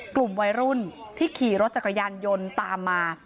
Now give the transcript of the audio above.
กลุ่มวัยรุ่นที่ขี่รถจักรยานยนต์ตามมา